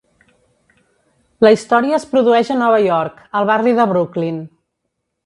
La història es produeix a Nova York, al barri de Brooklyn.